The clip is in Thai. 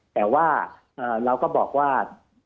แต่ว่าเราก็บอกว่า